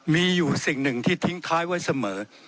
มีอยู่สิ่งหนึ่งที่ทิ้งท้ายไว้เสมอ